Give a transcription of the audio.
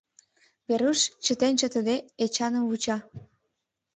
Веруш чытен-чытыде Эчаным вуча.